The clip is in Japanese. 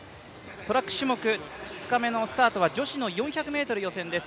トラック種目２日目のスタートは女子の４００ｍ予選です。